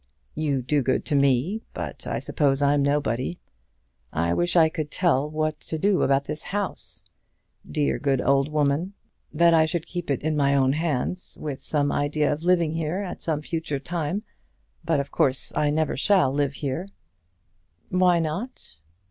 "You do good to me; but I suppose I'm nobody. I wish I could tell what to do about this house. Dear, good old woman! I know she would have wished that I should keep it in my own hands, with some idea of living here at some future time; but of course I never shall live here." "Why not?"